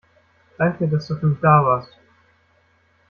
Danke, dass du für mich da warst.